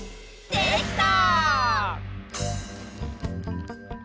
「できた！」